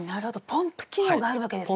ポンプ機能があるわけですね！